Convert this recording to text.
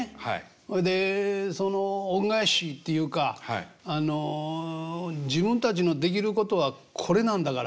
ほいでその恩返しっていうか自分たちのできることはこれなんだから。